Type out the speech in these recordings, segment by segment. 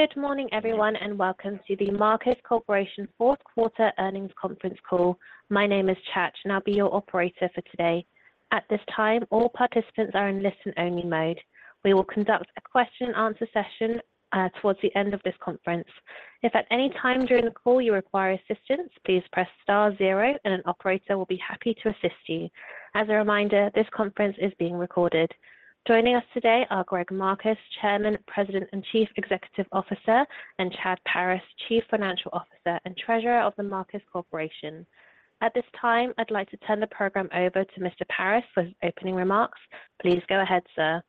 Good morning, everyone, and welcome to The Marcus Corporation fourth quarter earnings conference call. My name is Chad, and I'll be your operator for today. At this time, all participants are in listen-only mode. We will conduct a question and answer session towards the end of this conference. If at any time during the call you require assistance, please press star zero, and an operator will be happy to assist you. As a reminder, this conference is being recorded. Joining us today are Greg Marcus, Chairman, President, and Chief Executive Officer, and Chad Paris, Chief Financial Officer and Treasurer of The Marcus Corporation. At this time, I'd like to turn the program over to Mr. Paris for his opening remarks. Please go ahead, sir.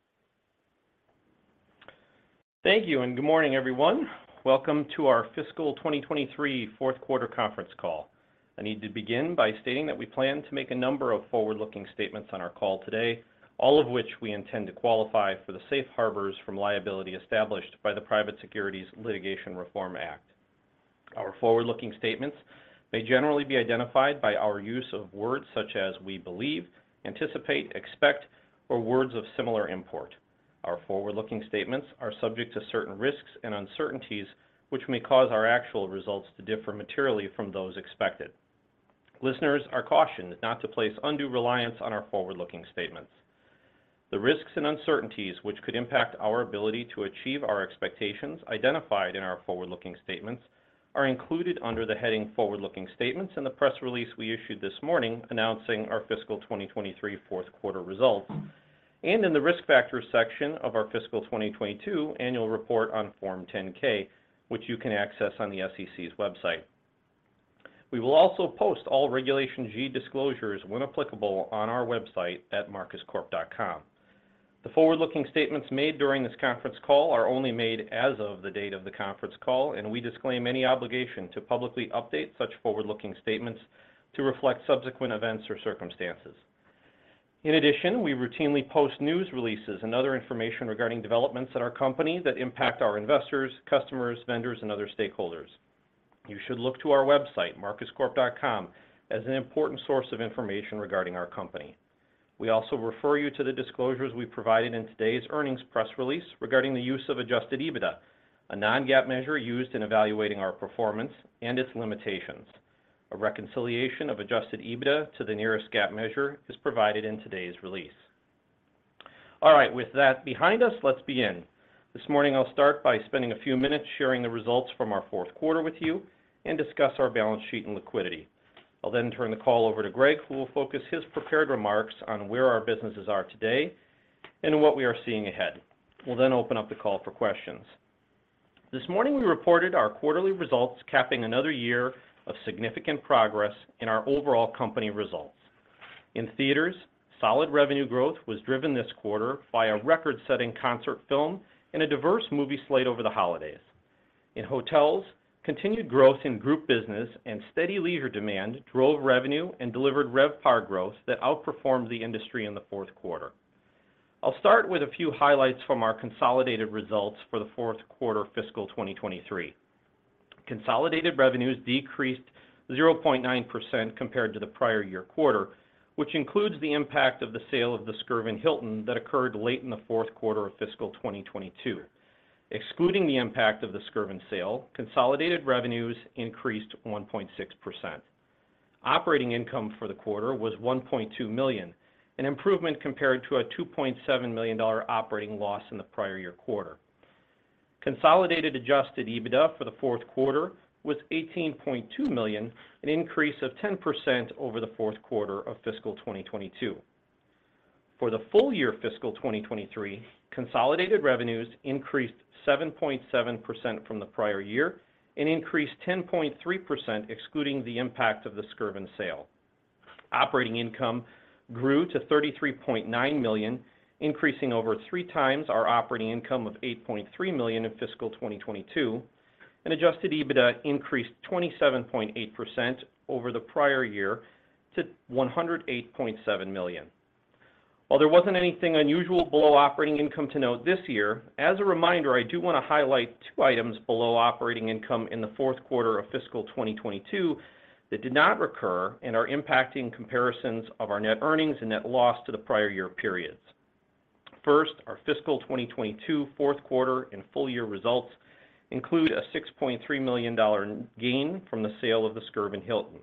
Thank you, and good morning, everyone. Welcome to our fiscal 2023 fourth quarter conference call. I need to begin by stating that we plan to make a number of forward-looking statements on our call today, all of which we intend to qualify for the safe harbors from liability established by the Private Securities Litigation Reform Act. Our forward-looking statements may generally be identified by our use of words such as we believe, anticipate, expect, or words of similar import. Our forward-looking statements are subject to certain risks and uncertainties, which may cause our actual results to differ materially from those expected. Listeners are cautioned not to place undue reliance on our forward-looking statements. The risks and uncertainties which could impact our ability to achieve our expectations identified in our forward-looking statements are included under the heading forward-looking statements in the press release we issued this morning announcing our fiscal 2023 fourth quarter results, and in the Risk Factors section of our fiscal 2022 Annual Report on Form 10-K, which you can access on the SEC's website. We will also post all Regulation G disclosures, when applicable, on our website at marcuscorp.com. The forward-looking statements made during this conference call are only made as of the date of the conference call, and we disclaim any obligation to publicly update such forward-looking statements to reflect subsequent events or circumstances. In addition, we routinely post news releases and other information regarding developments at our company that impact our investors, customers, vendors, and other stakeholders. You should look to our website, marcuscorp.com, as an important source of information regarding our company. We also refer you to the disclosures we provided in today's earnings press release regarding the use of adjusted EBITDA, a non-GAAP measure used in evaluating our performance and its limitations. A reconciliation of adjusted EBITDA to the nearest GAAP measure is provided in today's release. All right, with that behind us, let's begin. This morning, I'll start by spending a few minutes sharing the results from our fourth quarter with you and discuss our balance sheet and liquidity. I'll then turn the call over to Greg, who will focus his prepared remarks on where our businesses are today and what we are seeing ahead. We'll then open up the call for questions. This morning, we reported our quarterly results, capping another year of significant progress in our overall company results. In theaters, solid revenue growth was driven this quarter by a record-setting concert film and a diverse movie slate over the holidays. In hotels, continued growth in group business and steady leisure demand drove revenue and delivered RevPAR growth that outperformed the industry in the fourth quarter. I'll start with a few highlights from our consolidated results for the fourth quarter of fiscal 2023. Consolidated revenues decreased 0.9% compared to the prior year quarter, which includes the impact of the sale of the Skirvin Hilton that occurred late in the fourth quarter of fiscal 2022. Excluding the impact of the Skirvin sale, consolidated revenues increased 1.6%. Operating income for the quarter was $1.2 million, an improvement compared to a $2.7 million operating loss in the prior year quarter. Consolidated adjusted EBITDA for the fourth quarter was $18.2 million, an increase of 10% over the fourth quarter of fiscal 2022. For the full year fiscal 2023, consolidated revenues increased 7.7% from the prior year and increased 10.3%, excluding the impact of the Skirvin sale. Operating income grew to $33.9 million, increasing over 3x our operating income of $8.3 million in fiscal 2022, and adjusted EBITDA increased 27.8% over the prior year to $108.7 million. While there wasn't anything unusual below operating income to note this year, as a reminder, I do want to highlight two items below operating income in the fourth quarter of fiscal 2022 that did not recur and are impacting comparisons of our net earnings and net loss to the prior year periods. First, our fiscal 2022 fourth quarter and full year results include a $6.3 million gain from the sale of the Skirvin Hilton.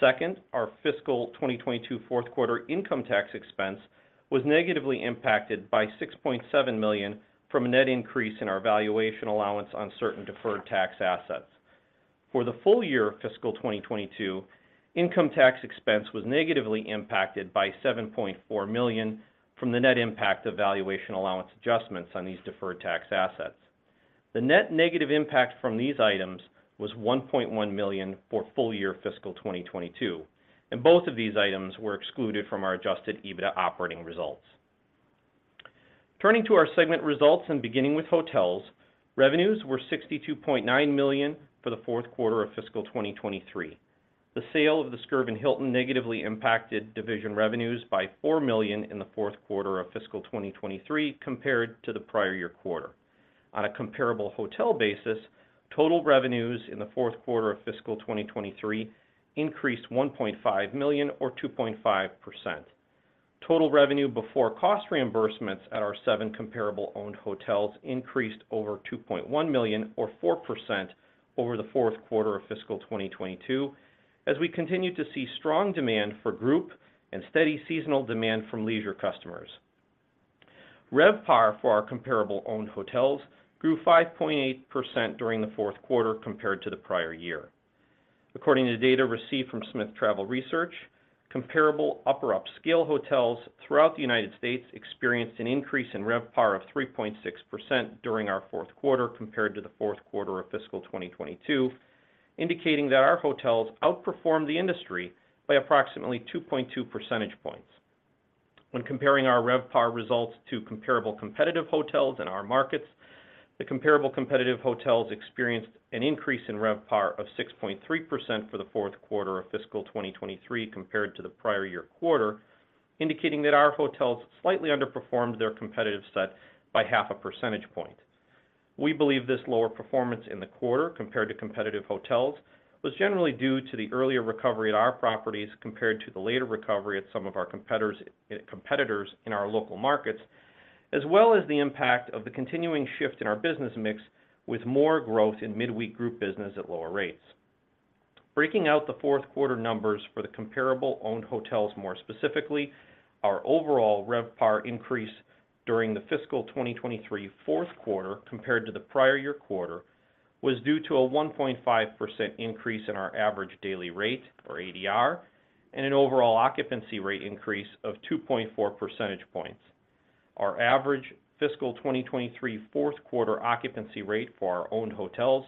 Second, our fiscal 2022 fourth quarter income tax expense was negatively impacted by $6.7 million from a net increase in our valuation allowance on certain deferred tax assets. For the full year fiscal 2022, income tax expense was negatively impacted by $7.4 million from the net impact of valuation allowance adjustments on these deferred tax assets. The net negative impact from these items was $1.1 million for full year fiscal 2022, and both of these items were excluded from our adjusted EBITDA operating results. Turning to our segment results and beginning with hotels, revenues were $62.9 million for the fourth quarter of fiscal 2023. The sale of the Skirvin Hilton negatively impacted division revenues by $4 million in the fourth quarter of fiscal 2023 compared to the prior year quarter. On a comparable hotel basis, total revenues in the fourth quarter of fiscal 2023 increased $1.5 million or 2.5%. Total revenue before cost reimbursements at our seven comparable owned hotels increased over $2.1 million, or 4% over the fourth quarter of fiscal 2022, as we continued to see strong demand for group and steady seasonal demand from leisure customers. RevPAR for our comparable owned hotels grew 5.8% during the fourth quarter compared to the prior year. According to data received from Smith Travel Research, comparable upper upscale hotels throughout the United States experienced an increase in RevPAR of 3.6% during our fourth quarter compared to the fourth quarter of fiscal 2022, indicating that our hotels outperformed the industry by approximately 2.2 percentage points. When comparing our RevPAR results to comparable competitive hotels in our markets, the comparable competitive hotels experienced an increase in RevPAR of 6.3% for the fourth quarter of fiscal 2023 compared to the prior year quarter, indicating that our hotels slightly underperformed their competitive set by 0.5 percentage point. We believe this lower performance in the quarter compared to competitive hotels, was generally due to the earlier recovery at our properties compared to the later recovery at some of our competitors, competitors in our local markets, as well as the impact of the continuing shift in our business mix, with more growth in midweek group business at lower rates. Breaking out the fourth quarter numbers for the comparable owned hotels more specifically, our overall RevPAR increase during the fiscal 2023 fourth quarter compared to the prior year quarter, was due to a 1.5% increase in our average daily rate, or ADR, and an overall occupancy rate increase of 2.4 percentage points. Our average fiscal 2023 fourth quarter occupancy rate for our owned hotels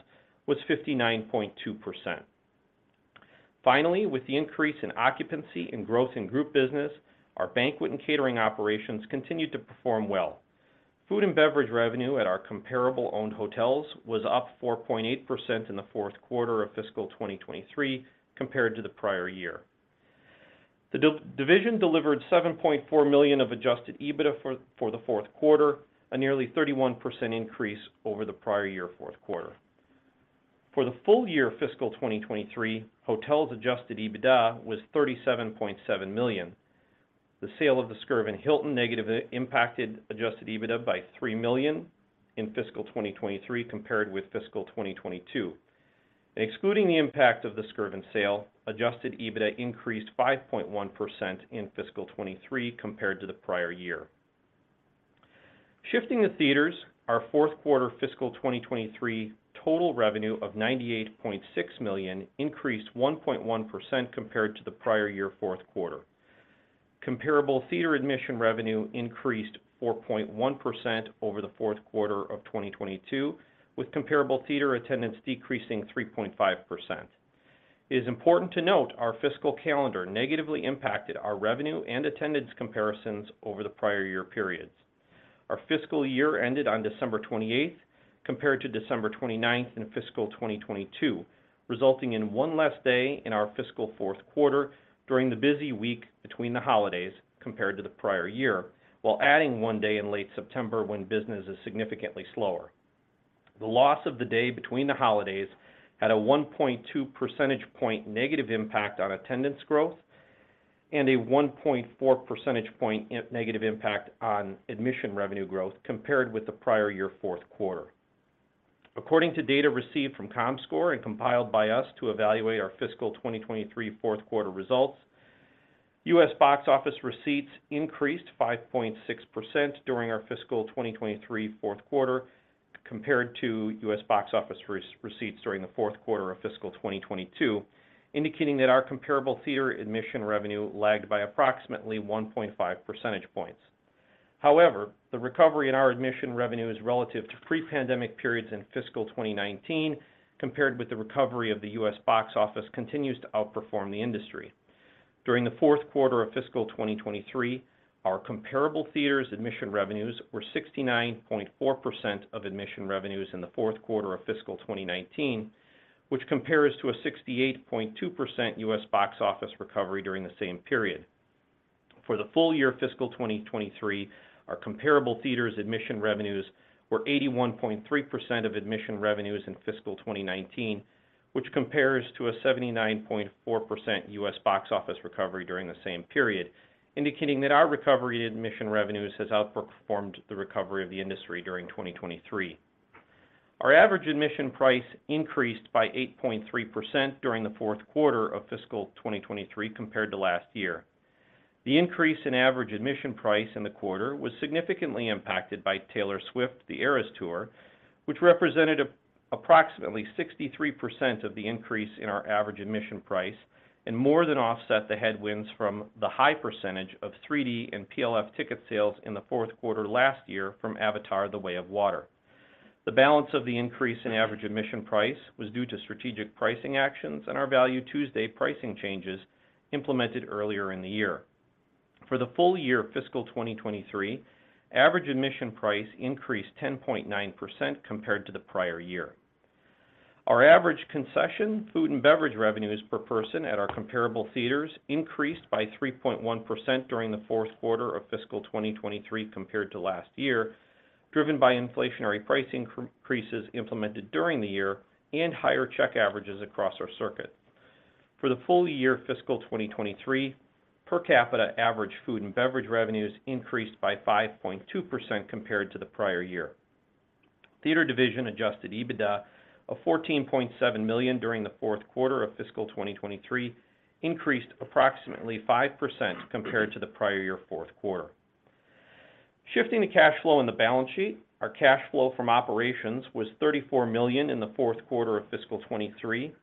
was 59.2%. Finally, with the increase in occupancy and growth in group business, our banquet and catering operations continued to perform well. Food and beverage revenue at our comparable owned hotels was up 4.8% in the fourth quarter of fiscal 2023 compared to the prior year. The division delivered $7.4 million of adjusted EBITDA for the fourth quarter, a nearly 31% increase over the prior year fourth quarter. For the full year fiscal 2023, hotels adjusted EBITDA was $37.7 million. The sale of the Skirvin Hilton negatively impacted adjusted EBITDA by $3 million in fiscal 2023 compared with fiscal 2022. Excluding the impact of the Skirvin sale, adjusted EBITDA increased 5.1% in fiscal 2023 compared to the prior year. Shifting to theaters, our fourth quarter fiscal 2023 total revenue of $98.6 million increased 1.1% compared to the prior year fourth quarter. Comparable theater admission revenue increased 4.1% over the fourth quarter of 2022, with comparable theater attendance decreasing 3.5%. It is important to note our fiscal calendar negatively impacted our revenue and attendance comparisons over the prior year periods. Our fiscal year ended on December 28th, compared to December 29th in fiscal 2022, resulting in one less day in our fiscal fourth quarter during the busy week between the holidays compared to the prior year, while adding one day in late September when business is significantly slower. The loss of the day between the holidays had a 1.2 percentage point negative impact on attendance growth and a 1.4 percentage point negative impact on admission revenue growth compared with the prior year fourth quarter. According to data received from Comscore and compiled by us to evaluate our fiscal 2023 fourth quarter results, U.S. box office receipts increased 5.6% during our fiscal 2023 fourth quarter compared to U.S. box office receipts during the fourth quarter of fiscal 2022, indicating that our comparable theater admission revenue lagged by approximately 1.5 percentage points. However, the recovery in our admission revenue is relative to pre-pandemic periods in fiscal 2019, compared with the recovery of the U.S. box office, continues to outperform the industry. During the fourth quarter of fiscal 2023, our comparable theaters' admission revenues were 69.4% of admission revenues in the fourth quarter of fiscal 2019, which compares to a 68.2% U.S. box office recovery during the same period. For the full year fiscal 2023, our comparable theaters' admission revenues were 81.3% of admission revenues in fiscal 2019, which compares to a 79.4% U.S. box office recovery during the same period, indicating that our recovery in admission revenues has outperformed the recovery of the industry during 2023. Our average admission price increased by 8.3% during the fourth quarter of fiscal 2023 compared to last year. The increase in average admission price in the quarter was significantly impacted by Taylor Swift: The Eras Tour, which represented approximately 63% of the increase in our average admission price, and more than offset the headwinds from the high percentage of 3D and PLF ticket sales in the fourth quarter last year from Avatar: The Way of Water. The balance of the increase in average admission price was due to strategic pricing actions and our Value Tuesday pricing changes implemented earlier in the year. For the full year fiscal 2023, average admission price increased 10.9% compared to the prior year. Our average concession, food and beverage revenues per person at our comparable theaters increased by 3.1% during the fourth quarter of fiscal 2023 compared to last year, driven by inflationary pricing increases implemented during the year and higher check averages across our circuit. For the full year fiscal 2023, per capita average food and beverage revenues increased by 5.2% compared to the prior year. Theater division adjusted EBITDA of $14.7 million during the fourth quarter of fiscal 2023 increased approximately 5% compared to the prior year fourth quarter. Shifting to cash flow on the balance sheet, our cash flow from operations was $34 million in the fourth quarter of fiscal 2023.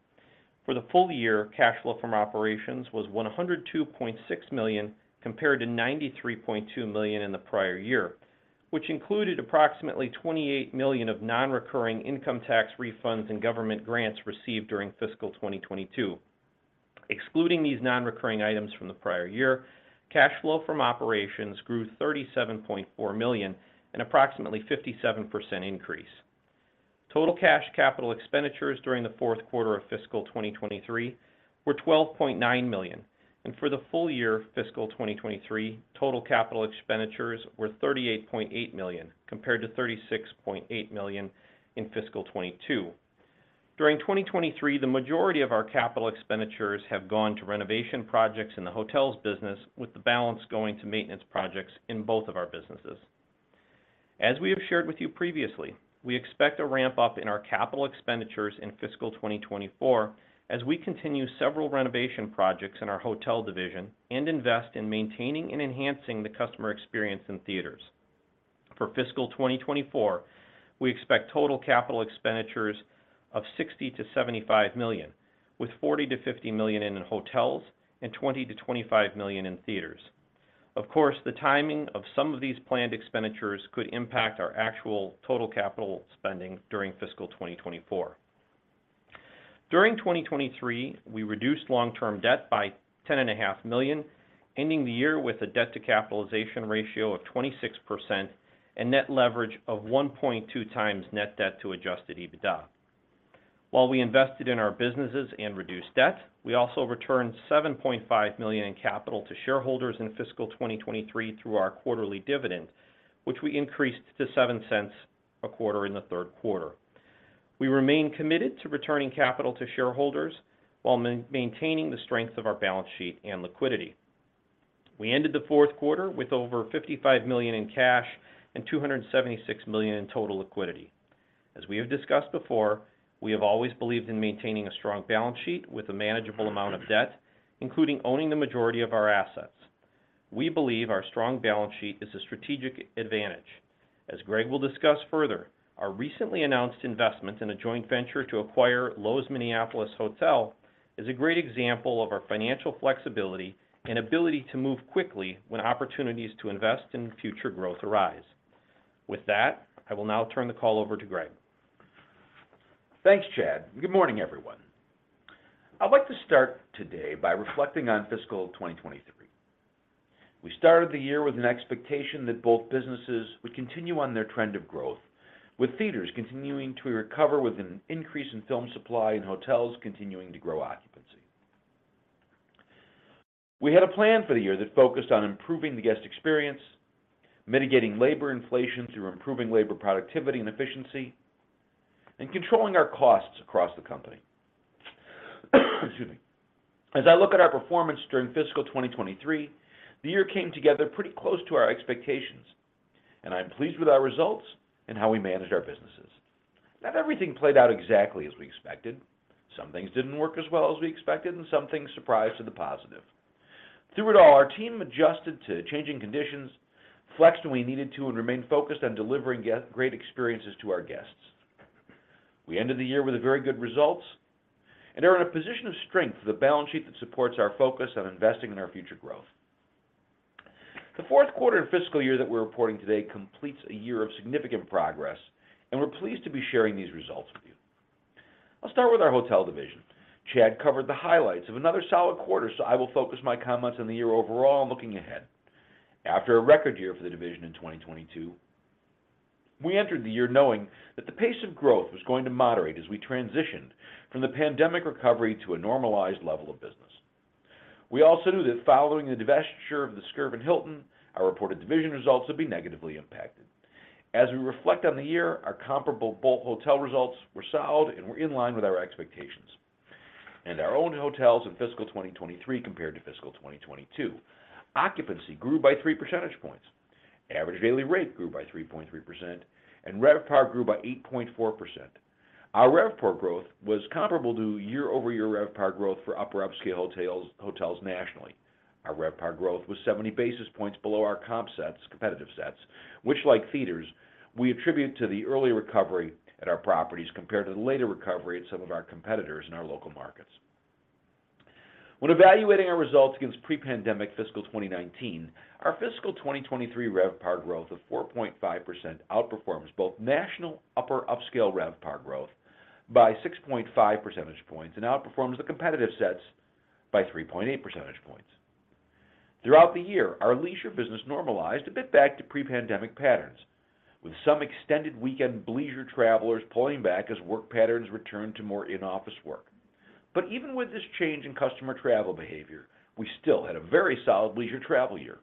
For the full year, cash flow from operations was $102.6 million, compared to $93.2 million in the prior year, which included approximately $28 million of non-recurring income tax refunds and government grants received during fiscal 2022. Excluding these non-recurring items from the prior year, cash flow from operations grew $37.4 million, an approximately 57% increase. Total cash capital expenditures during the fourth quarter of fiscal 2023 were $12.9 million, and for the full year fiscal 2023, total capital expenditures were $38.8 million, compared to $36.8 million in fiscal 2022. During 2023, the majority of our capital expenditures have gone to renovation projects in the hotels business, with the balance going to maintenance projects in both of our businesses. As we have shared with you previously, we expect a ramp up in our capital expenditures in fiscal 2024, as we continue several renovation projects in our hotel division and invest in maintaining and enhancing the customer experience in theaters. For fiscal 2024, we expect total capital expenditures of $60 million-$75 million, with $40 million-$50 million in hotels and $20 million-$25 million in theaters. Of course, the timing of some of these planned expenditures could impact our actual total capital spending during fiscal 2024. During 2023, we reduced long-term debt by $10.5 million, ending the year with a debt to capitalization ratio of 26% and net leverage of 1.2x net debt to adjusted EBITDA. While we invested in our businesses and reduced debt, we also returned $7.5 million in capital to shareholders in fiscal 2023 through our quarterly dividend, which we increased to $0.07 a quarter in the third quarter. We remain committed to returning capital to shareholders while maintaining the strength of our balance sheet and liquidity. We ended the fourth quarter with over $55 million in cash and $276 million in total liquidity. As we have discussed before, we have always believed in maintaining a strong balance sheet with a manageable amount of debt, including owning the majority of our assets. We believe our strong balance sheet is a strategic advantage. As Greg will discuss further, our recently announced investment in a joint venture to acquire Loews Minneapolis Hotel is a great example of our financial flexibility and ability to move quickly when opportunities to invest in future growth arise. With that, I will now turn the call over to Greg. Thanks, Chad, and good morning, everyone. I'd like to start today by reflecting on fiscal 2023. We started the year with an expectation that both businesses would continue on their trend of growth, with theaters continuing to recover with an increase in film supply and hotels continuing to grow occupancy. We had a plan for the year that focused on improving the guest experience, mitigating labor inflation through improving labor productivity and efficiency, and controlling our costs across the company. Excuse me. As I look at our performance during fiscal 2023, the year came together pretty close to our expectations, and I'm pleased with our results and how we managed our businesses. Not everything played out exactly as we expected. Some things didn't work as well as we expected, and some things surprised to the positive. Through it all, our team adjusted to changing conditions, flexed when we needed to, and remained focused on delivering great experiences to our guests. We ended the year with a very good results and are in a position of strength with a balance sheet that supports our focus on investing in our future growth. The fourth quarter and fiscal year that we're reporting today completes a year of significant progress, and we're pleased to be sharing these results with you. I'll start with our hotel division. Chad covered the highlights of another solid quarter, so I will focus my comments on the year overall looking ahead. After a record year for the division in 2022, we entered the year knowing that the pace of growth was going to moderate as we transitioned from the pandemic recovery to a normalized level of business. We also knew that following the divestiture of the Skirvin Hilton, our reported division results would be negatively impacted. As we reflect on the year, our comparable bolt hotel results were solid and were in line with our expectations. In our own hotels in fiscal 2023 compared to fiscal 2022, occupancy grew by 3 percentage points, average daily rate grew by 3.3%, and RevPAR grew by 8.4%. Our RevPAR growth was comparable to year-over-year RevPAR growth for upper upscale hotels, hotels nationally. Our RevPAR growth was 70 basis points below our comp sets, competitive sets, which, like theaters, we attribute to the early recovery at our properties compared to the later recovery at some of our competitors in our local markets. When evaluating our results against pre-pandemic fiscal 2019, our fiscal 2023 RevPAR growth of 4.5% outperforms both national upper upscale RevPAR growth by 6.5 percentage points and outperforms the competitive sets by 3.8 percentage points. Throughout the year, our leisure business normalized a bit back to pre-pandemic patterns, with some extended weekend bleisure travelers pulling back as work patterns returned to more in-office work. But even with this change in customer travel behavior, we still had a very solid leisure travel year.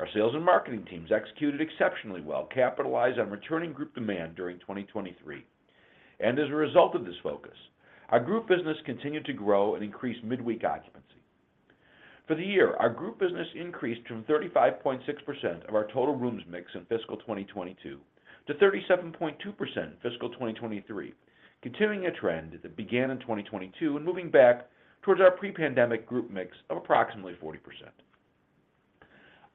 Our sales and marketing teams executed exceptionally well, capitalized on returning group demand during 2023. As a result of this focus, our group business continued to grow and increase midweek occupancy. For the year, our group business increased from 35.6% of our total rooms mix in fiscal 2022 to 37.2% in fiscal 2023, continuing a trend that began in 2022 and moving back towards our pre-pandemic group mix of approximately 40%.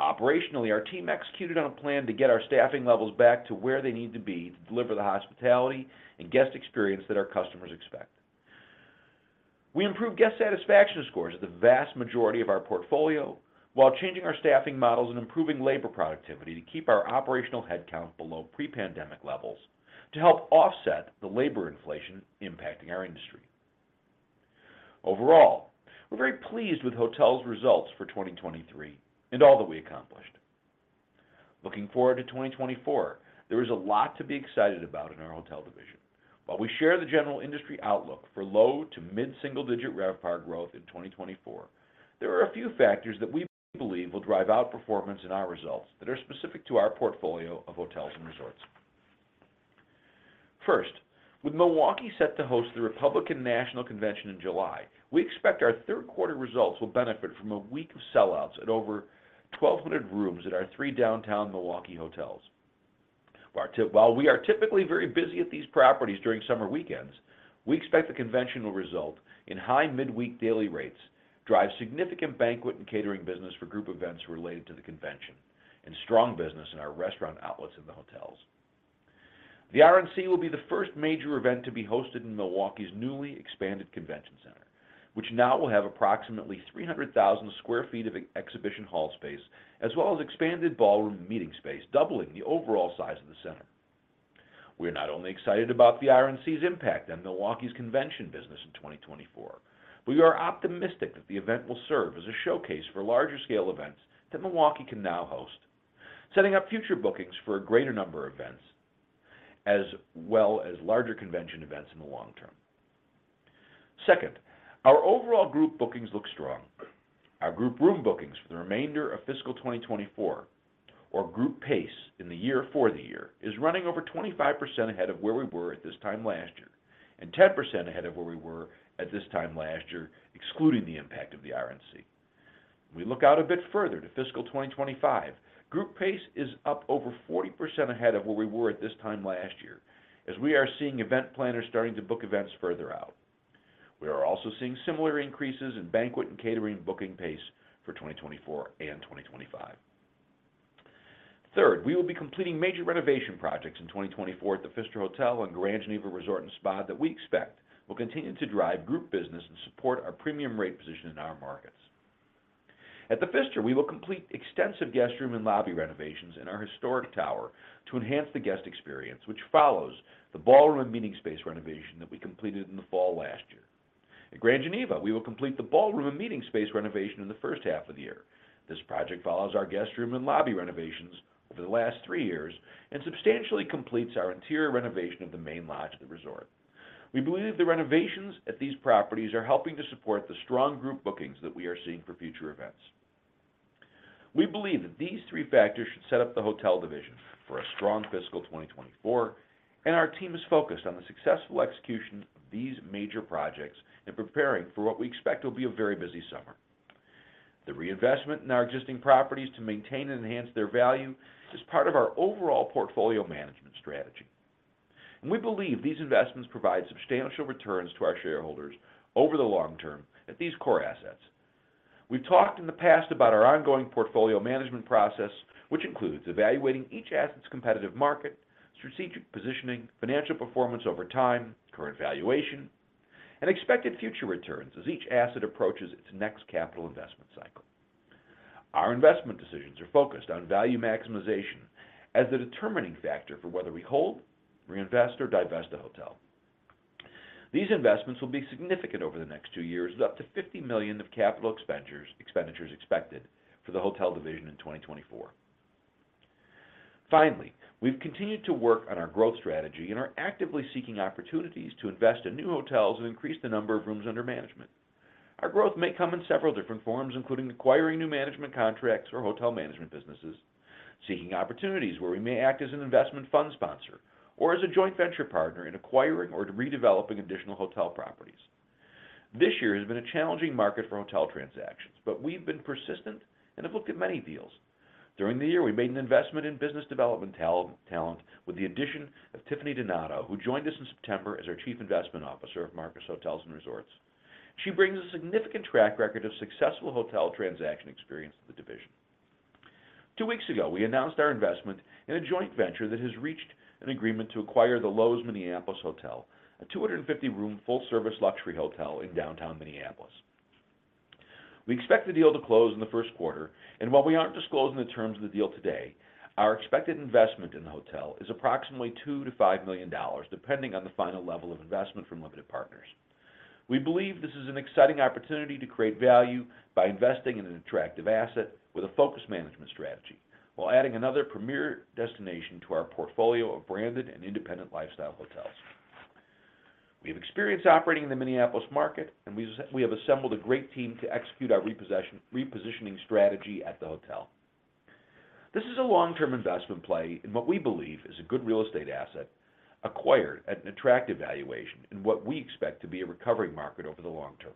Operationally, our team executed on a plan to get our staffing levels back to where they need to be to deliver the hospitality and guest experience that our customers expect. We improved guest satisfaction scores at the vast majority of our portfolio, while changing our staffing models and improving labor productivity to keep our operational headcount below pre-pandemic levels to help offset the labor inflation impacting our industry. Overall, we're very pleased with hotel's results for 2023 and all that we accomplished. Looking forward to 2024, there is a lot to be excited about in our hotel division. While we share the general industry outlook for low- to mid-single-digit RevPAR growth in 2024, there are a few factors that we believe will drive outperformance in our results that are specific to our portfolio of hotels and resorts. First, with Milwaukee set to host the Republican National Convention in July, we expect our third quarter results will benefit from a week of sellouts at over 1,200 rooms at our three downtown Milwaukee hotels. While we are typically very busy at these properties during summer weekends, we expect the convention will result in high midweek daily rates, drive significant banquet and catering business for group events related to the convention, and strong business in our restaurant outlets in the hotels. The RNC will be the first major event to be hosted in Milwaukee's newly expanded convention center, which now will have approximately 300,000 sq ft of exhibition hall space, as well as expanded ballroom and meeting space, doubling the overall size of the center. We are not only excited about the RNC's impact on Milwaukee's convention business in 2024, but we are optimistic that the event will serve as a showcase for larger-scale events that Milwaukee can now host, setting up future bookings for a greater number of events, as well as larger convention events in the long term. Second, our overall group bookings look strong. Our group room bookings for the remainder of fiscal 2024, or group pace in the year for the year, is running over 25% ahead of where we were at this time last year, and 10% ahead of where we were at this time last year, excluding the impact of the RNC. We look out a bit further to fiscal 2025. Group pace is up over 40% ahead of where we were at this time last year, as we are seeing event planners starting to book events further out. We are also seeing similar increases in banquet and catering booking pace for 2024 and 2025. Third, we will be completing major renovation projects in 2024 at The Pfister Hotel and Grand Geneva Resort and Spa that we expect will continue to drive group business and support our premium rate position in our markets. At the Pfister, we will complete extensive guest room and lobby renovations in our historic tower to enhance the guest experience, which follows the ballroom and meeting space renovation that we completed in the fall last year. At Grand Geneva, we will complete the ballroom and meeting space renovation in the first half of the year. This project follows our guest room and lobby renovations over the last three years and substantially completes our interior renovation of the main lodge at the resort. We believe the renovations at these properties are helping to support the strong group bookings that we are seeing for future events. We believe that these three factors should set up the hotel division for a strong fiscal 2024, and our team is focused on the successful execution of these major projects and preparing for what we expect will be a very busy summer. The reinvestment in our existing properties to maintain and enhance their value is part of our overall portfolio management strategy, and we believe these investments provide substantial returns to our shareholders over the long term at these core assets. We've talked in the past about our ongoing portfolio management process, which includes evaluating each asset's competitive market, strategic positioning, financial performance over time, current valuation, and expected future returns as each asset approaches its next capital investment cycle. Our investment decisions are focused on value maximization as the determining factor for whether we hold, reinvest, or divest a hotel. These investments will be significant over the next two years, with up to $50 million of capital expenditures expected for the hotel division in 2024. Finally, we've continued to work on our growth strategy and are actively seeking opportunities to invest in new hotels and increase the number of rooms under management. Our growth may come in several different forms, including acquiring new management contracts or hotel management businesses, seeking opportunities where we may act as an investment fund sponsor, or as a joint venture partner in acquiring or redeveloping additional hotel properties. This year has been a challenging market for hotel transactions, but we've been persistent and have looked at many deals. During the year, we made an investment in business development talent with the addition of Tiffany Donato, who joined us in September as our Chief Investment Officer of Marcus Hotels & Resorts. She brings a significant track record of successful hotel transaction experience to the division. Two weeks ago, we announced our investment in a joint venture that has reached an agreement to acquire the Loews Minneapolis Hotel, a 250-room, full-service luxury hotel in downtown Minneapolis. We expect the deal to close in the first quarter, and while we aren't disclosing the terms of the deal today, our expected investment in the hotel is approximately $2 million-$5 million, depending on the final level of investment from limited partners. We believe this is an exciting opportunity to create value by investing in an attractive asset with a focused management strategy, while adding another premier destination to our portfolio of branded and independent lifestyle hotels. We have experience operating in the Minneapolis market, and we have assembled a great team to execute our repositioning strategy at the hotel. This is a long-term investment play in what we believe is a good real estate asset, acquired at an attractive valuation in what we expect to be a recovering market over the long term.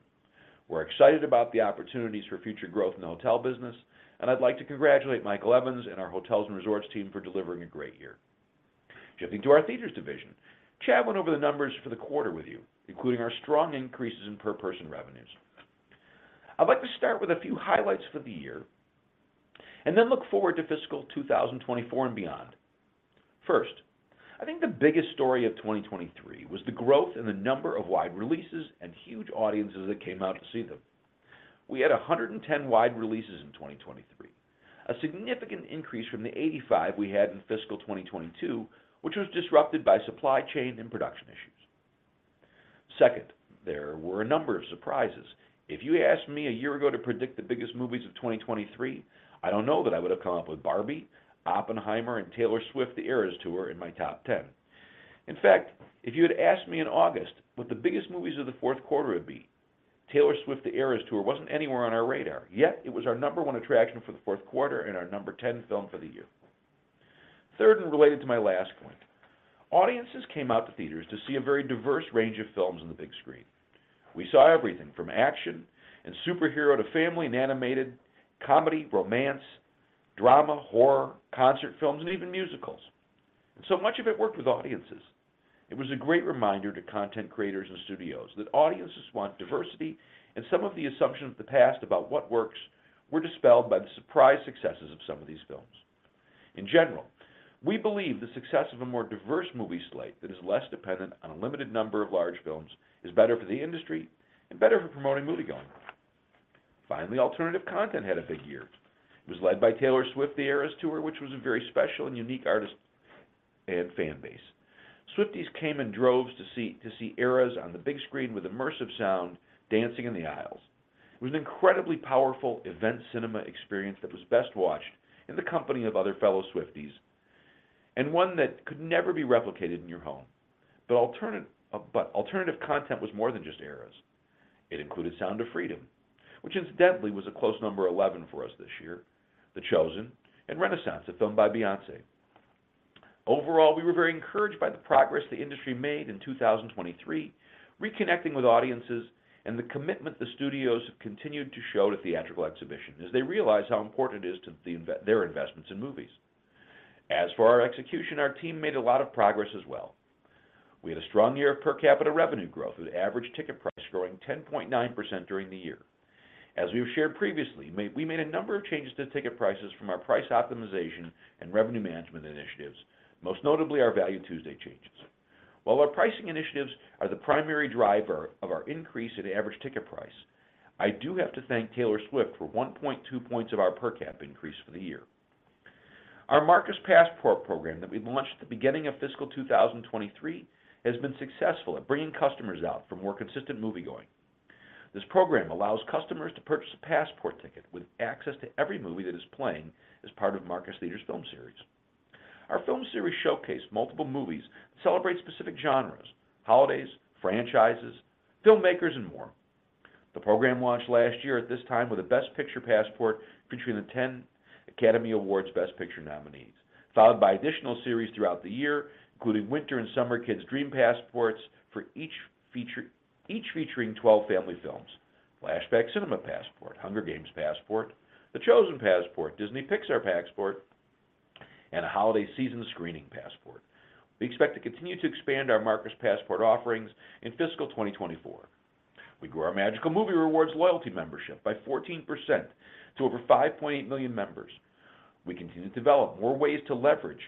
We're excited about the opportunities for future growth in the hotel business, and I'd like to congratulate Mike Evans and our hotels and resorts team for delivering a great year. Shifting to our theaters division, Chad went over the numbers for the quarter with you, including our strong increases in per-person revenues. I'd like to start with a few highlights for the year, and then look forward to fiscal 2024 and beyond. First, I think the biggest story of 2023 was the growth in the number of wide releases and huge audiences that came out to see them. We had 110 wide releases in 2023, a significant increase from the 85 we had in fiscal 2022, which was disrupted by supply chain and production issues. Second, there were a number of surprises. If you asked me a year ago to predict the biggest movies of 2023, I don't know that I would have come up with Barbie, Oppenheimer, and Taylor Swift: The Eras Tour in my top ten. In fact, if you had asked me in August what the biggest movies of the fourth quarter would be, Taylor Swift: The Eras Tour wasn't anywhere on our radar, yet it was our number one attraction for the fourth quarter and our number 10 film for the year. Third, and related to my last point, audiences came out to theaters to see a very diverse range of films on the big screen. We saw everything from action and superhero, to family and animated, comedy, romance, drama, horror, concert films, and even musicals. So much of it worked with audiences. It was a great reminder to content creators and studios that audiences want diversity, and some of the assumptions of the past about what works were dispelled by the surprise successes of some of these films. In general, we believe the success of a more diverse movie slate that is less dependent on a limited number of large films is better for the industry and better for promoting moviegoing. Finally, alternative content had a big year. It was led by Taylor Swift: The Eras Tour, which was a very special and unique artist and fan base. Swifties came in droves to see, to see Eras on the big screen with immersive sound, dancing in the aisles. It was an incredibly powerful event cinema experience that was best watched in the company of other fellow Swifties, and one that could never be replicated in your home. But alternative content was more than just Eras. It included Sound of Freedom, which incidentally, was a close number 11 for us this year, The Chosen, and Renaissance, a film by Beyoncé. Overall, we were very encouraged by the progress the industry made in 2023, reconnecting with audiences and the commitment the studios have continued to show to theatrical exhibition as they realize how important it is to their investments in movies. As for our execution, our team made a lot of progress as well. We had a strong year of per capita revenue growth, with average ticket price growing 10.9% during the year. As we have shared previously, we made a number of changes to ticket prices from our price optimization and revenue management initiatives, most notably our Value Tuesday changes. While our pricing initiatives are the primary driver of our increase in average ticket price, I do have to thank Taylor Swift for 1.2 points of our per cap increase for the year. Our Marcus Passport program that we launched at the beginning of fiscal 2023, has been successful at bringing customers out for more consistent moviegoing. This program allows customers to purchase a passport ticket with access to every movie that is playing as part of Marcus Theatres film series. Our film series showcase multiple movies, celebrate specific genres, holidays, franchises, filmmakers, and more. The program launched last year at this time with a Best Picture Passport featuring the 10 Academy Awards Best Picture nominees, followed by additional series throughout the year, including Winter and Summer Kids Dream Passports for each feature, each featuring 12 family films, Flashback Cinema Passport, Hunger Games Passport, The Chosen Passport, Disney Pixar Passport, and a Holiday Season Screening Passport. We expect to continue to expand our Marcus Passport offerings in fiscal 2024. We grew our Magical Movie Rewards loyalty membership by 14% to over 5.8 million members. We continue to develop more ways to leverage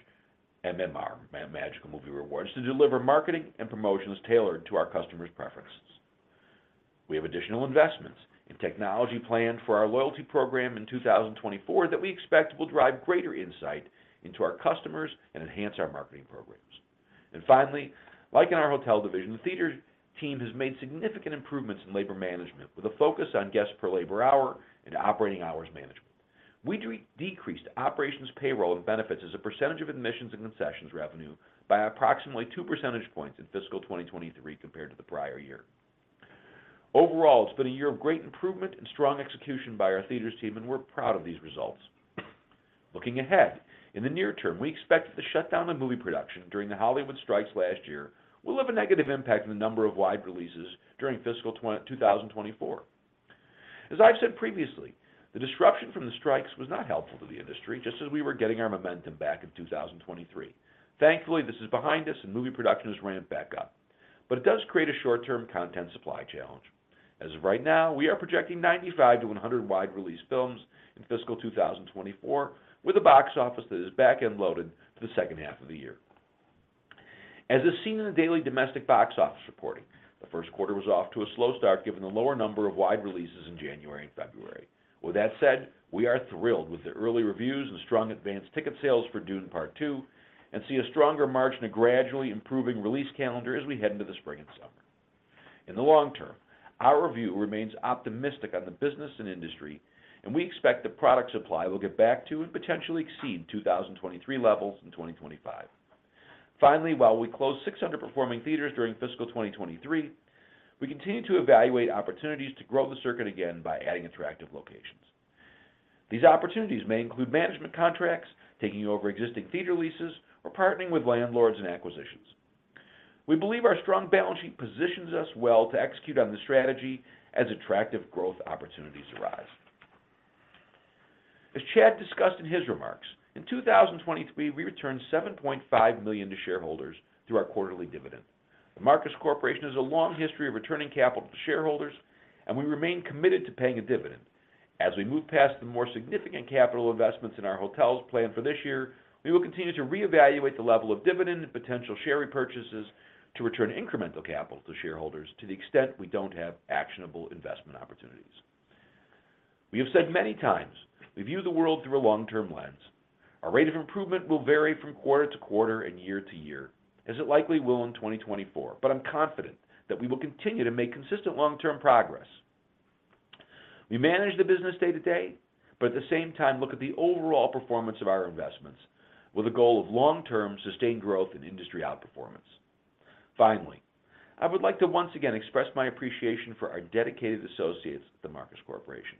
MMR, Magical Movie Rewards, to deliver marketing and promotions tailored to our customers' preferences. We have additional investments in technology planned for our loyalty program in 2024 that we expect will drive greater insight into our customers and enhance our marketing programs. And finally, like in our hotel division, the theater team has made significant improvements in labor management with a focus on guests per labor hour and operating hours management. We decreased operations, payroll, and benefits as a percentage of admissions and concessions revenue by approximately 2 percentage points in fiscal 2023 compared to the prior year. Overall, it's been a year of great improvement and strong execution by our theaters team, and we're proud of these results. Looking ahead, in the near term, we expect that the shutdown of movie production during the Hollywood strikes last year will have a negative impact on the number of wide releases during fiscal 2024. As I've said previously, the disruption from the strikes was not helpful to the industry, just as we were getting our momentum back in 2023. Thankfully, this is behind us and movie production has ramped back up, but it does create a short-term content supply challenge. As of right now, we are projecting 95-100 wide-release films in fiscal 2024, with a box office that is back-end loaded to the second half of the year. As is seen in the daily domestic box office reporting, the first quarter was off to a slow start given the lower number of wide releases in January and February. With that said, we are thrilled with the early reviews and strong advanced ticket sales for Dune: Part Two, and see a stronger margin of gradually improving release calendar as we head into the spring and summer. In the long term, our review remains optimistic on the business and industry, and we expect the product supply will get back to, and potentially exceed, 2023 levels in 2025. Finally, while we closed 6 underperforming theaters during fiscal 2023, we continued to evaluate opportunities to grow the circuit again by adding attractive locations. These opportunities may include management contracts, taking over existing theater leases, or partnering with landlords and acquisitions. We believe our strong balance sheet positions us well to execute on the strategy as attractive growth opportunities arise. As Chad discussed in his remarks, in 2023, we returned $7.5 million to shareholders through our quarterly dividend. The Marcus Corporation has a long history of returning capital to shareholders, and we remain committed to paying a dividend. As we move past the more significant capital investments in our hotels planned for this year, we will continue to reevaluate the level of dividend and potential share repurchases to return incremental capital to shareholders to the extent we don't have actionable investment opportunities. We have said many times, we view the world through a long-term lens. Our rate of improvement will vary from quarter to quarter and year to year, as it likely will in 2024, but I'm confident that we will continue to make consistent long-term progress. We manage the business day to day, but at the same time, look at the overall performance of our investments with a goal of long-term, sustained growth and industry outperformance. Finally, I would like to once again express my appreciation for our dedicated associates at The Marcus Corporation.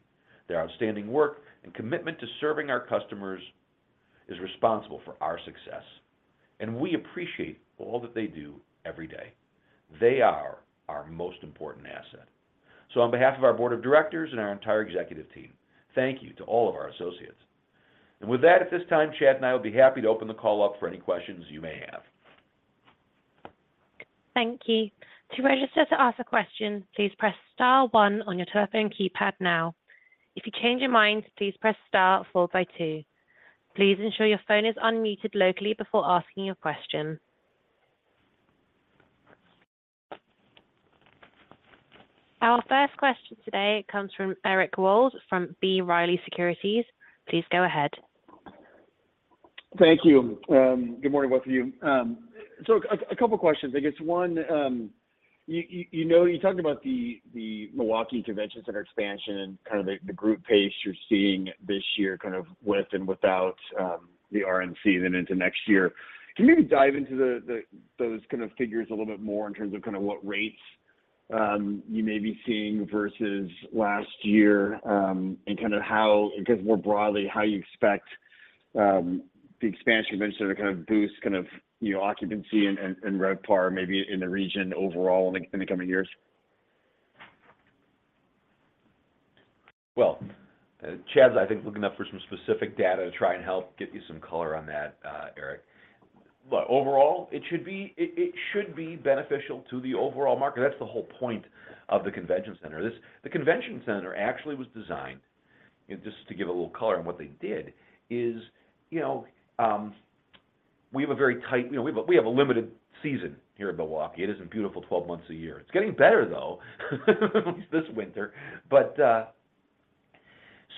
Their outstanding work and commitment to serving our customers is responsible for our success, and we appreciate all that they do every day. They are our most important asset. On behalf of our board of directors and our entire executive team, thank you to all of our associates. With that, at this time, Chad and I will be happy to open the call up for any questions you may have. Thank you. To register to ask a question, please press star one on your telephone keypad now. If you change your mind, please press star followed by two. Please ensure your phone is unmuted locally before asking your question. Our first question today comes from Eric Wold from B. Riley Securities. Please go ahead. Thank you. Good morning, both of you. So a couple questions. I guess one, you know, you talked about the Milwaukee Convention Center expansion and kind of the group pace you're seeing this year, kind of with and without the RNC, then into next year. Can you maybe dive into those kind of figures a little bit more in terms of kind of what rates you may be seeing versus last year? And kind of how. Because more broadly, how you expect the expansion convention to kind of boost, kind of, you know, occupancy and RevPAR maybe in the region overall in the coming years? Well, Chad's, I think, looking up for some specific data to try and help get you some color on that, Eric. But overall, it should be- it, it should be beneficial to the overall market. That's the whole point of the convention center. This- the convention center actually was designed. And just to give a little color on what they did, is, you know, we have a very tight- you know, we, we have a limited season here in Milwaukee. It isn't beautiful 12 months a year. It's getting better, though, this winter.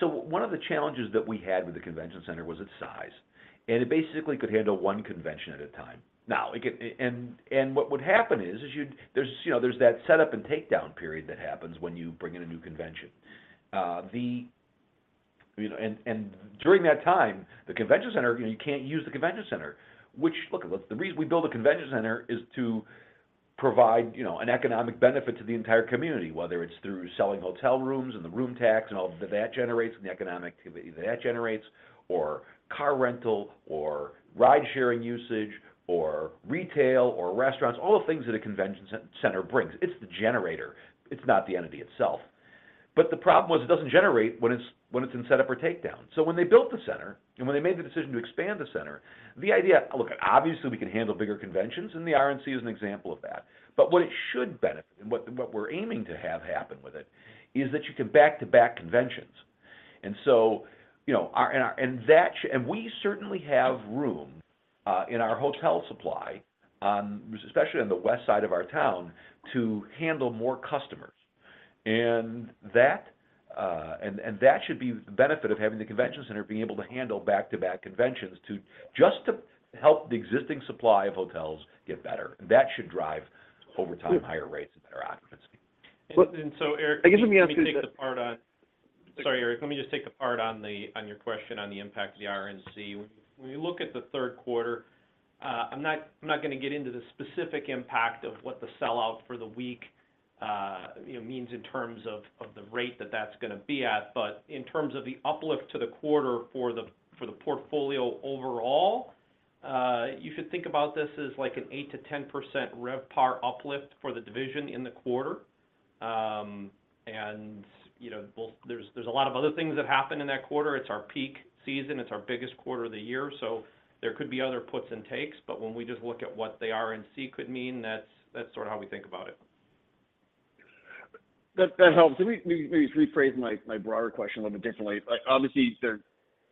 But, so one of the challenges that we had with the convention center was its size, and it basically could handle one convention at a time. Now, it can and what would happen is, there's, you know, there's that setup and takedown period that happens when you bring in a new convention. You know. And during that time, the convention center, you know, you can't use the convention center. Which, look, the reason we build a convention center is to provide, you know, an economic benefit to the entire community, whether it's through selling hotel rooms and the room tax and all that, that generates and the economic activity that generates, or car rental, or ride-sharing usage, or retail, or restaurants, all the things that a convention center brings. It's the generator. It's not the entity itself. But the problem was, it doesn't generate when it's, when it's in setup or takedown. So when they built the center, and when they made the decision to expand the center, look, obviously, we can handle bigger conventions, and the RNC is an example of that. But what it should benefit, and what we're aiming to have happen with it, is that you can back-to-back conventions. And so, you know, and we certainly have room in our hotel supply, especially on the west side of our town, to handle more customers. And that should be the benefit of having the convention center being able to handle back-to-back conventions, just to help the existing supply of hotels get better. And that should drive, over time, higher rates and better occupancy. So, Eric- I guess let me ask you the- Let me take the part on. Sorry, Eric, let me just take the part on your question on the impact of the RNC. When you look at the third quarter, I'm not, I'm not going to get into the specific impact of what the sell-out for the week, you know, means in terms of, of the rate that that's going to be at. But in terms of the uplift to the quarter for the, for the portfolio overall, you should think about this as like an 8%-10% RevPAR uplift for the division in the quarter. And, you know, well, there's, there's a lot of other things that happened in that quarter. It's our peak season. It's our biggest quarter of the year, so there could be other puts and takes, but when we just look at what the RNC could mean, that's, that's sort of how we think about it. That helps. Let me maybe rephrase my broader question a little bit differently. Like, obviously,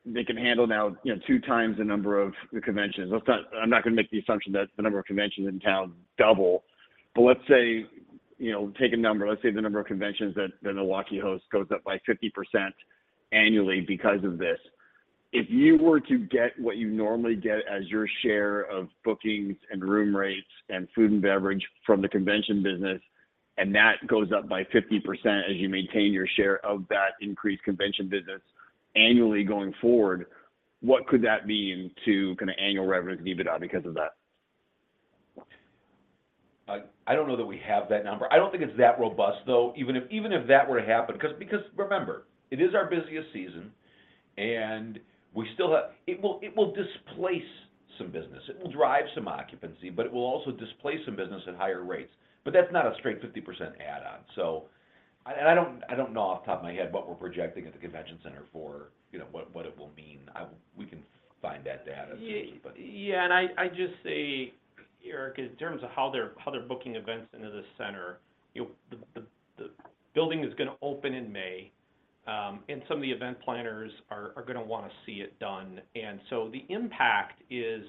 they can handle now, you know, two times the number of the conventions. Let's not—I'm not going to make the assumption that the number of conventions in town double, but let's say, you know, take a number, let's say the number of conventions that the Milwaukee hosts goes up by 50% annually because of this. If you were to get what you normally get as your share of bookings, and room rates, and food and beverage from the convention business, and that goes up by 50% as you maintain your share of that increased convention business annually going forward, what could that mean to kind of annual revenue and EBITDA because of that? I don't know that we have that number. I don't think it's that robust, though, even if that were to happen, because remember, it is our busiest season, and we still have it will displace some business. It will drive some occupancy, but it will also displace some business at higher rates. But that's not a straight 50% add-on. So I don't know off the top of my head what we're projecting at the convention center for, you know, what it will mean. We can find that data. Yeah, yeah, and I just say, Eric, in terms of how they're booking events into the center, you know, the building is gonna open in May, and some of the event planners are gonna wanna see it done. And so the impact is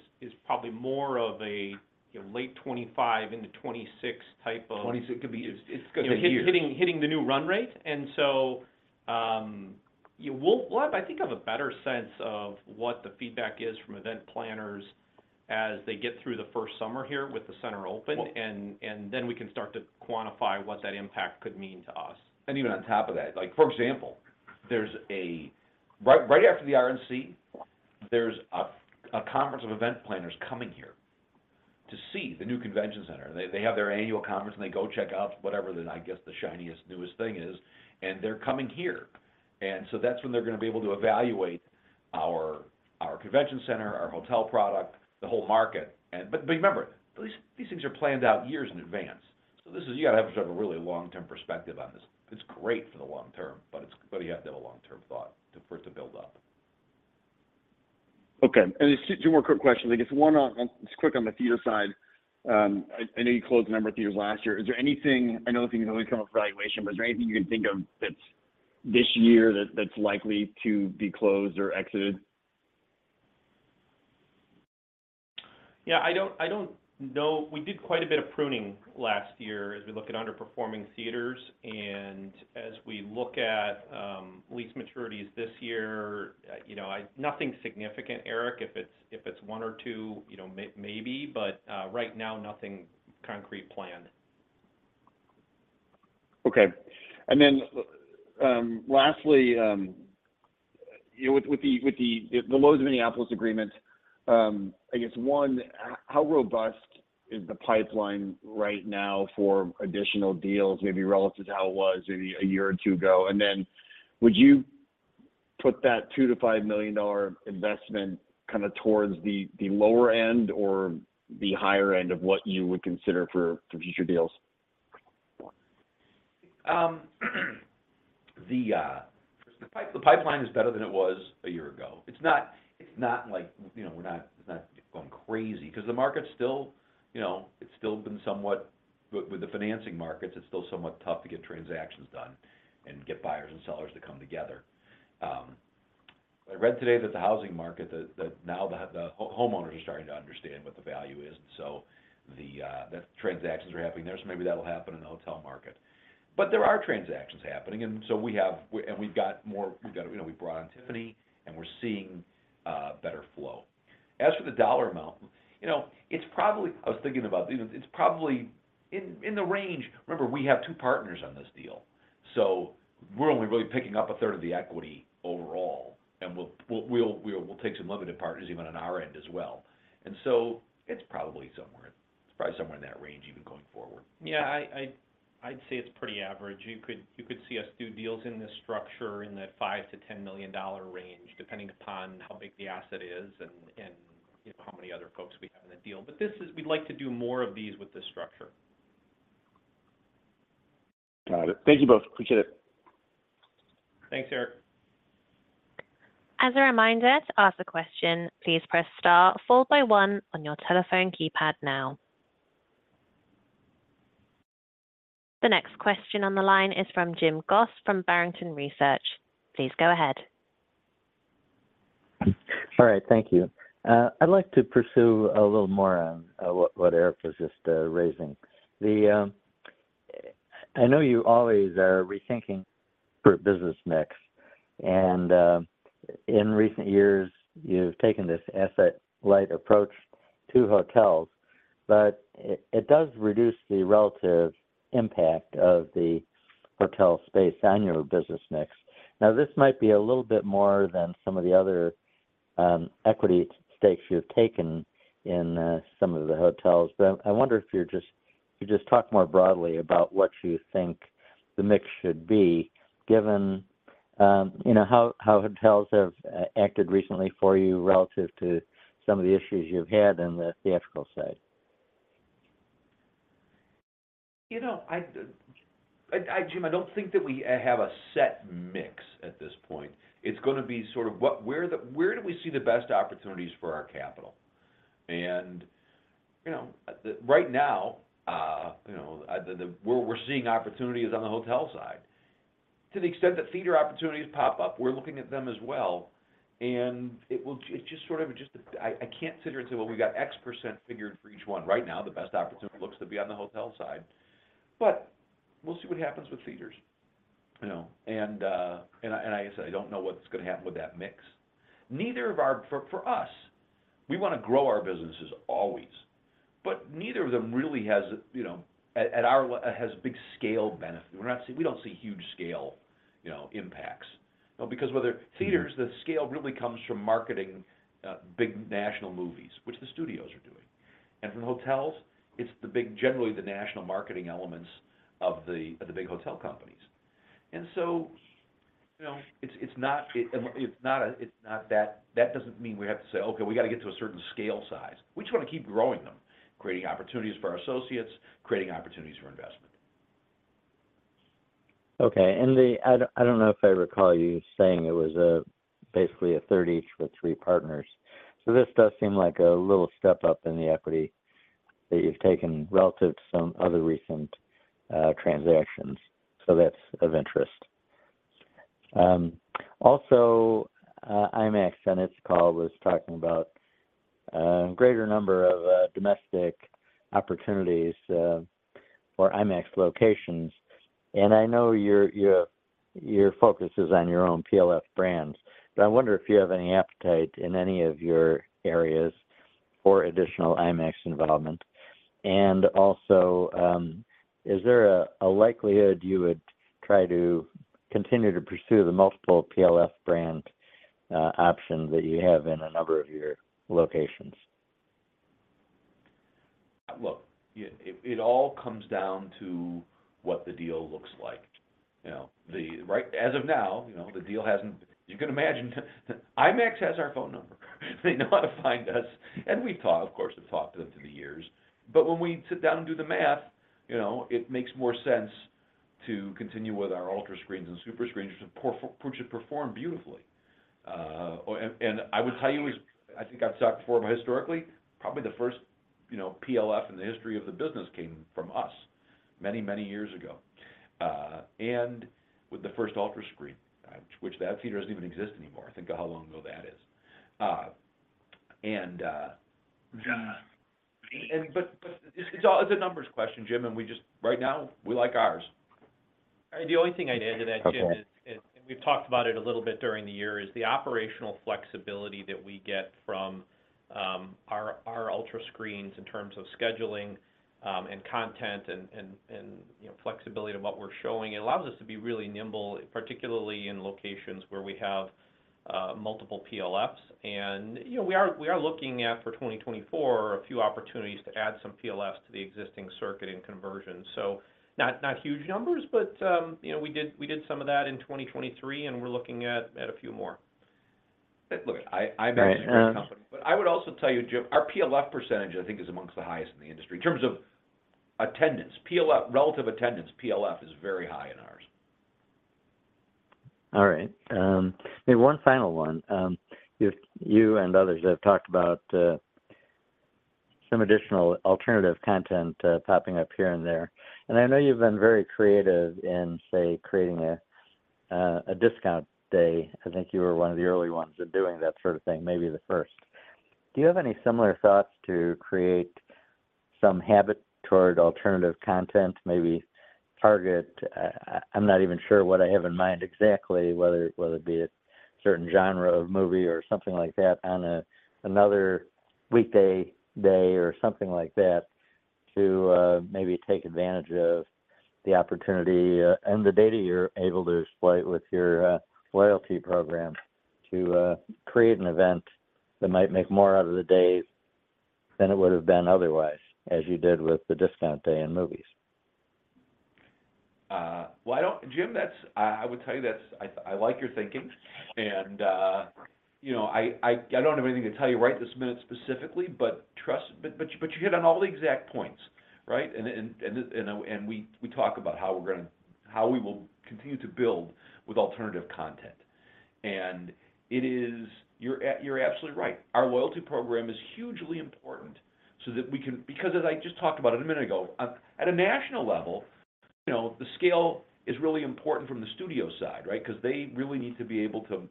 probably more of a, you know, late 2025 into 2026 type of- 2026 could be. It's gonna be a year. Hitting the new run rate. And so, you know, we'll have, I think, a better sense of what the feedback is from event planners as they get through the first summer here with the center open, and then we can start to quantify what that impact could mean to us. Even on top of that, like, for example, right, right after the RNC, there's a conference of event planners coming here to see the new convention center. They have their annual conference, and they go check out whatever the, I guess, the shiniest, newest thing is, and they're coming here. And so that's when they're gonna be able to evaluate our convention center, our hotel product, the whole market. But remember, these things are planned out years in advance. So this is. You gotta have to have a really long-term perspective on this. It's great for the long term, but you have to have a long-term thought to, for it to build up. Okay, and just two more quick questions. I guess one on just quick on the theater side. I know you closed a number of theaters last year. Is there anything. I know the thing is always come up with valuation, but is there anything you can think of that's this year that, that's likely to be closed or exited? Yeah, I don't know. We did quite a bit of pruning last year as we looked at underperforming theaters, and as we look at lease maturities this year, you know, nothing significant, Eric. If it's 1 or 2, you know, maybe, but right now, nothing concrete planned. Okay. And then, lastly, you know, with the Loews Minneapolis agreement, I guess, one, how robust is the pipeline right now for additional deals, maybe relative to how it was maybe a year or two ago? And then, would you put that $2 million-$5 million investment kinda towards the lower end or the higher end of what you would consider for future deals? The pipeline is better than it was a year ago. It's not, it's not like, you know, we're not, it's not going crazy, 'cause the market's still, you know, it's still been somewhat. With the financing markets, it's still somewhat tough to get transactions done and get buyers and sellers to come together. I read today that the housing market, that now the homeowners are starting to understand what the value is, so the transactions are happening there, so maybe that'll happen in the hotel market. But there are transactions happening, and so we have and we've got more. We've got, you know, we brought on Tiffany, and we're seeing better flow. As for the dollar amount, you know, it's probably. I was thinking about this. It's probably in the range. Remember, we have two partners on this deal, so we're only really picking up a third of the equity overall, and we'll take some limited partners even on our end as well. And so it's probably somewhere in that range, even going forward. Yeah, I'd say it's pretty average. You could see us do deals in this structure in that $5 million-$10 million range, depending upon how big the asset is and, you know, how many other folks we have in the deal. But this is. We'd like to do more of these with this structure. Got it. Thank you both. Appreciate it. Thanks, Eric. As a reminder, to ask a question, please press star followed by one on your telephone keypad now. The next question on the line is from Jim Goss, from Barrington Research. Please go ahead. All right, thank you. I'd like to pursue a little more on what Eric was just raising. I know you always are rethinking the business mix, and in recent years, you've taken this asset-light approach to hotels, but it does reduce the relative impact of the hotel space on your business mix. Now, this might be a little bit more than some of the other equity stakes you've taken in some of the hotels, but I wonder if you'll just talk more broadly about what you think the mix should be, given you know, how hotels have acted recently for you relative to some of the issues you've had on the theatrical side. You know, Jim, I don't think that we have a set mix at this point. It's gonna be sort of where do we see the best opportunities for our capital? And, you know, right now, you know, we're seeing opportunities on the hotel side. To the extent that theater opportunities pop up, we're looking at them as well, and it will just sort of, I can't sit here and say, well, we got X% figured for each one. Right now, the best opportunity looks to be on the hotel side. But we'll see what happens with theaters, you know. And I said, I don't know what's gonna happen with that mix. Neither of our—for us, we wanna grow our businesses always, but neither of them really has, you know, at our has big scale benefit. We're not—we don't see huge scale, you know, impacts. Because whether theaters, the scale really comes from marketing, big national movies, which the studios are doing. And from hotels, it's the big—generally, the national marketing elements of the big hotel companies. And so, you know, it's not—it's not that— That doesn't mean we have to say, "Okay, we got to get to a certain scale size." We just wanna keep growing them, creating opportunities for our associates, creating opportunities for investment. Okay. And I don't know if I recall you saying it was basically 1/3 each with three partners. So this does seem like a little step up in the equity that you've taken relative to some other recent transactions. So that's of interest. Also, IMAX in its call was talking about greater number of domestic opportunities for IMAX locations. And I know your focus is on your own PLF brands, but I wonder if you have any appetite in any of your areas for additional IMAX involvement. And also, is there a likelihood you would try to continue to pursue the multiple PLF brand option that you have in a number of your locations? Look, it all comes down to what the deal looks like. You know, the right, as of now, you know, the deal hasn't. You can imagine, IMAX has our phone number. They know how to find us, and we've talked, of course, to them through the years. But when we sit down and do the math, you know, it makes more sense to continue with our UltraScreens and SuperScreens, which have performed beautifully. And I would tell you, as I think I've talked before, but historically, probably the first, you know, PLF in the history of the business came from us many, many years ago, and with the first UltraScreen, which that theater doesn't even exist anymore. Think of how long ago that is. But it's all a numbers question, Jim, and we just, right now, we like ours. The only thing I'd add to that, Jim- Okay is, and we've talked about it a little bit during the year, is the operational flexibility that we get from our UltraScreens in terms of scheduling and content and, you know, flexibility of what we're showing. It allows us to be really nimble, particularly in locations where we have multiple PLFs. And, you know, we are looking at, for 2024, a few opportunities to add some PLFs to the existing circuit and conversion. So not huge numbers, but, you know, we did some of that in 2023, and we're looking at a few more. Look, IMAX- Right, and- But I would also tell you, Jim, our PLF percentage, I think, is among the highest in the industry. In terms of attendance, PLF, relative attendance, PLF is very high in ours. All right. One final one. You and others have talked about some additional alternative content popping up here and there. And I know you've been very creative in, say, creating a discount day. I think you were one of the early ones in doing that sort of thing, maybe the first. Do you have any similar thoughts to create some habit toward alternative content, maybe target. I'm not even sure what I have in mind exactly, whether it be a certain genre of movie or something like that, on another weekday or something like that, to maybe take advantage of the opportunity, and the data you're able to exploit with your loyalty program to create an event that might make more out of the day than it would have been otherwise, as you did with the discount day in movies? Well, I don't, Jim. That's, I would tell you that's, I like your thinking. And you know, I don't have anything to tell you right this minute specifically, but you hit on all the exact points, right? And we talk about how we're gonna, how we will continue to build with alternative content. And it is. You're absolutely right. Our loyalty program is hugely important so that we can, because as I just talked about it a minute ago, at a national level, you know, the scale is really important from the studio side, right? Because they really need to be able to.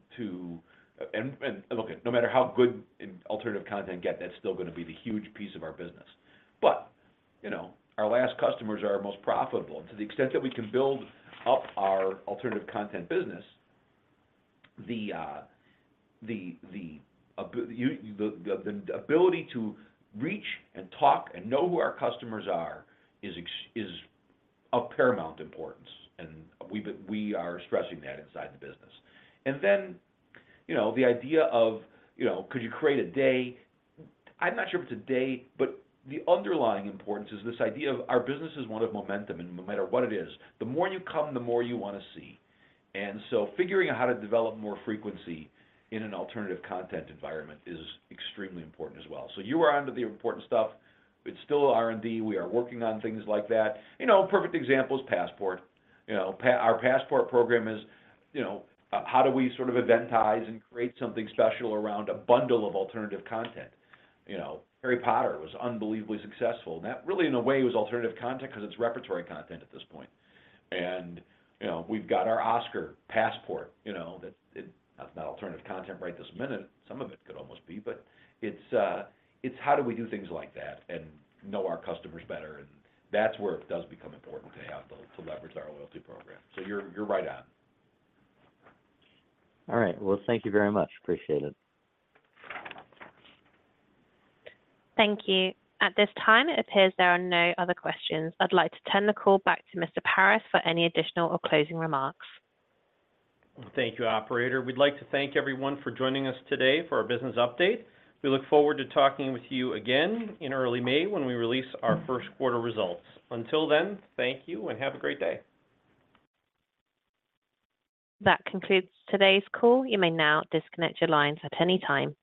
And look, no matter how good alternative content get, that's still gonna be the huge piece of our business. But, you know, our last customers are our most profitable. To the extent that we can build up our alternative content business, the ability to reach and talk and know who our customers are is of paramount importance, and we are stressing that inside the business. And then, you know, the idea of, you know, could you create a day? I'm not sure if it's a day, but the underlying importance is this idea of our business is one of momentum, and no matter what it is, the more you come, the more you wanna see. And so figuring out how to develop more frequency in an alternative content environment is extremely important as well. So you are onto the important stuff. It's still R&D. We are working on things like that. You know, a perfect example is Passport. You know, our Passport program is, you know, how do we sort of eventize and create something special around a bundle of alternative content? You know, Harry Potter was unbelievably successful. And that really, in a way, was alternative content because it's repertory content at this point. And, you know, we've got our Oscar Passport, you know, That's not alternative content right this minute. Some of it could almost be, but it's, it's how do we do things like that and know our customers better, and that's where it does become important to have to leverage our loyalty program. So you're right on. All right. Well, thank you very much. Appreciate it. Thank you. At this time, it appears there are no other questions. I'd like to turn the call back to Mr. Paris for any additional or closing remarks. Thank you, operator. We'd like to thank everyone for joining us today for our business update. We look forward to talking with you again in early May when we release our first quarter results. Until then, thank you and have a great day. That concludes today's call. You may now disconnect your lines at any time.